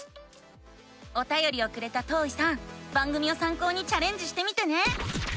おたよりをくれたとういさん番組をさん考にチャレンジしてみてね！